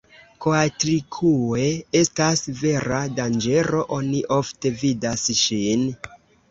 Koatlikue estas vera danĝero, oni ofte vidas ŝin.